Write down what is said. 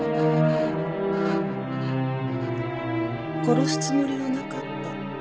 殺すつもりはなかった。